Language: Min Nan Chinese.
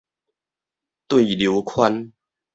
對流圈